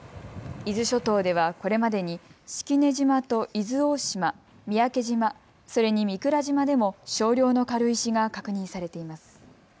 伊豆諸島ではこれまでに式根島と伊豆大島、三宅島、それに御蔵島でも少量の軽石が確認されています。